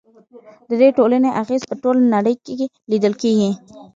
د دې ټولنې اغیز په ټوله نړۍ کې لیدل کیږي.